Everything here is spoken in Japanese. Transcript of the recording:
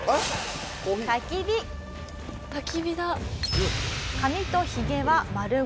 焚き火だ。